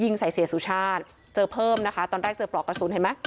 ใส่เสียสุชาติเจอเพิ่มนะคะตอนแรกเจอปลอกกระสุนเห็นไหม